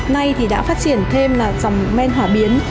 nay thì đã phát triển thêm là dòng men hỏa biến